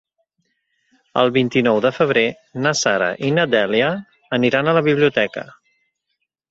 El vint-i-nou de febrer na Sara i na Dèlia aniran a la biblioteca.